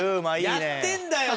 やってんだよ！